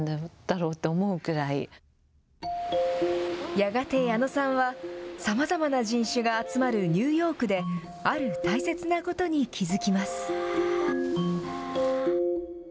やがて矢野さんは、さまざまな人種が集まるニューヨークで、ある大切なことに気付きます。